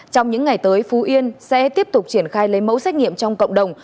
trong những ngày tới phú yên sẽ tiếp tục triển khai lấy mẫu xét nghiệm trong cộng đồng